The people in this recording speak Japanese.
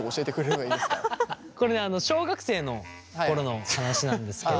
これねあの小学生の頃の話なんですけど。